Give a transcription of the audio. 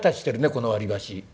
この割り箸。